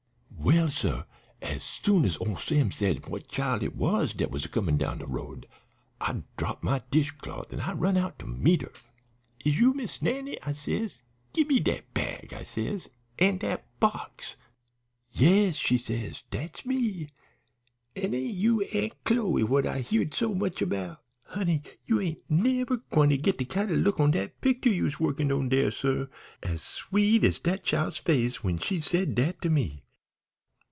"Well, suh, as soon as ole Sam said what chile it was dat was a comin' down de road I dropped my dishcloth an' I run out to meet 'er. "'Is you Miss Nannie?' I says. 'Gimme dat bag,' I says, 'an' dat box.' "'Yes,' she says, 'dat's me, an' ain't you Aunt Chloe what I heared so much about?' "Honey, you ain't never gwine to git de kind o' look on dat picter you's workin' on dere, suh, as sweet as dat chile's face when she said dat to me.